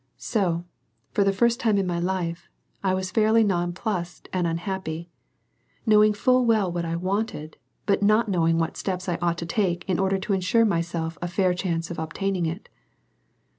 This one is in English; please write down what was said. So, for the first time in my life, I was fairly nonplussed and unhappy; knowing full well what I wanted, but not knowing what steps I ought to take in order to insure to myself a fair chance of obtaining it.